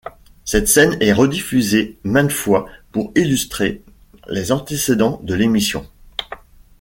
Cette scène est rediffusée maintes fois pour illustrer les antécédents de l'émission.